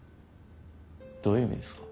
どういう意味ですか？